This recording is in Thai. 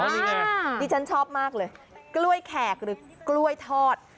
นี่ไงดิฉันชอบมากเลยกล้วยแขกหรือกล้วยทอด